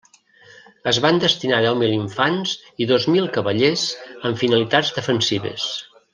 Es van destinar deu mil infants i dos mil cavallers amb finalitats defensives.